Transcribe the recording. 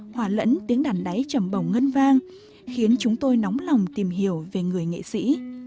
hòa lẫn tiếng đàn đáy trầm bồng ngân vang khiến chúng tôi nóng lòng tìm hiểu về người nghệ sĩ